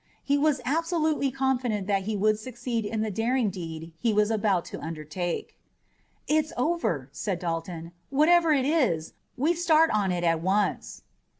He was absolutely confident that he would succeed in the daring deed he was about to undertake. "It's over," said Dalton. "Whatever it is, we start on it at once."